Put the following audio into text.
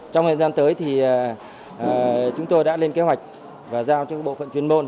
trong thời gian tới chúng tôi đã lên kế hoạch và giao cho bộ phận chuyên môn